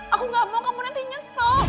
aku gak mau kamu nanti nyesel